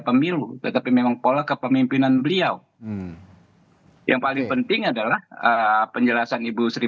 pemilu tetapi memang pola kepemimpinan beliau yang paling penting adalah penjelasan ibu sri